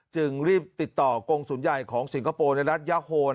จึงรีบติดต่อกรงศูนย์ใหญ่ของสิงคโปร์ในรัฐยาโฮ